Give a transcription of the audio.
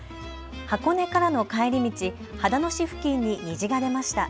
箱根からの帰り道、秦野市付近に虹が出ました。